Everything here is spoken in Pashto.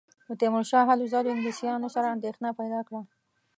د تیمورشاه هلو ځلو انګلیسیانو سره اندېښنه پیدا کړه.